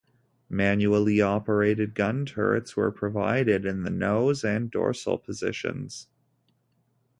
Manually operated gun turrets were provided in the nose and dorsal positions.